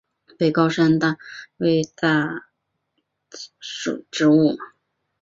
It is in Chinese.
北高山大戟为大戟科大戟属的植物。